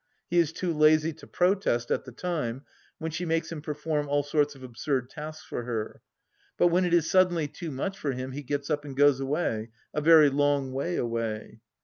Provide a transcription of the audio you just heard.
He is too lazy to protest, at the time, when she makes him perform all sorts of absurd tasks for her, but when it is suddenly too much for him he gets up and goes away — a very long way away.